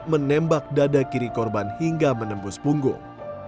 menembak dada kiri korban hingga menembus punggung